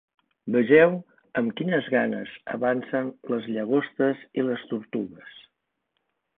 Vegeu amb quines ganes avancen les llagostes i les tortugues!